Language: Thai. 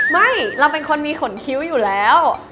ไม่เราเป็นคนมีขนคิ้วอยู่แล้ว